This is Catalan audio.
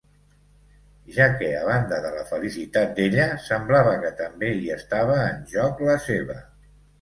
Ja que a banda de la felicitat d'ella, semblava que també hi estava en joc la seva.